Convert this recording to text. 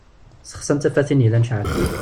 Sexsin tafatin yellan ceɛlent.